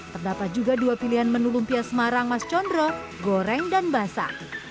terdapat juga dua pilihan menu lumpia semarang mas condro goreng dan basah